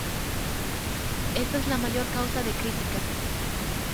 Esta es la mayor causa de crítica.